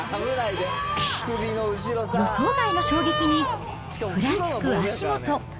予想外の衝撃にふらつく足元。